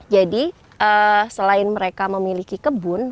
jadi selain mereka memiliki kebun